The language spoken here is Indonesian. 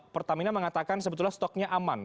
pertamina mengatakan sebetulnya stoknya aman